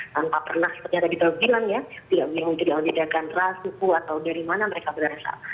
tanpa pernah seperti yang kita bilang ya tidak ada yang tidak ada yang rasuku atau dari mana mereka berasa